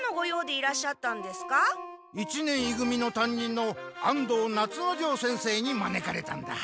一年い組の担任の安藤夏之丞先生にまねかれたんだ。